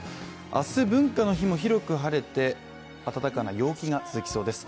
明日文化の日も広く晴れて暖かな陽気が続きそうです。